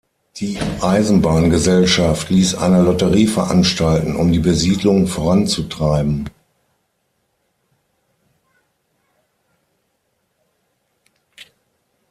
Die Eisenbahngesellschaft ließ eine Lotterie veranstalten, um die Besiedlung voranzutreiben.